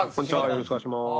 よろしくお願いします。